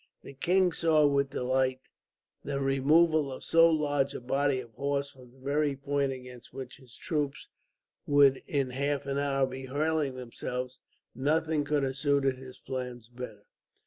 The king saw with delight the removal of so large a body of horse from the very point against which his troops would, in half an hour, be hurling themselves. Nothing could have suited his plans better.